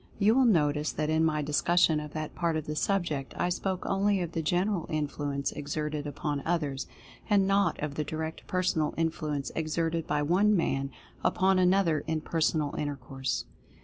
You will notice that in my discussion of that part of the subject I spoke only of the general influence exerted upon others, and not of the Direct Personal Influence exerted by one man upon another in personal intercourse.